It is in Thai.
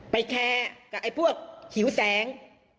แคร์กับไอ้พวกหิวแสง